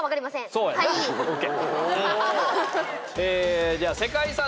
そうやんな？ＯＫ。